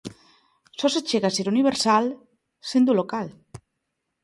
Só se chega a ser universal sendo local.